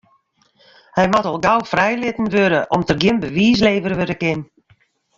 Hy moat al gau frijlitten wurde om't der gjin bewiis levere wurde kin.